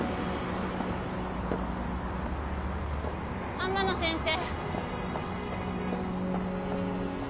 天野先生